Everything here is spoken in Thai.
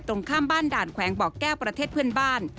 ตรงข้ามบ้านด่านแขวงบ่อแก้วประเทศเพื่อนบ้าน